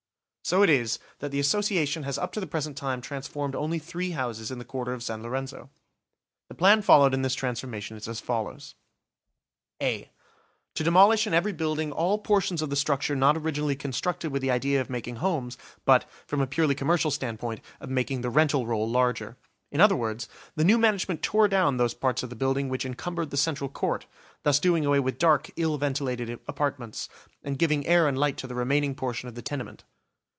So it is, that the Association has up to the present time transformed only three houses in the Quarter of San Lorenzo. The plan followed in this transformation is as follows: A: To demolish in every building all portions of the structure not originally constructed with the idea of making homes, but, from a purely commercial standpoint, of making the rental roll larger. In other words, the new management tore down those parts of the building which encumbered the central court, thus doing away with dark, ill ventilated apartments, and giving air and light to the remaining portion of the tenement.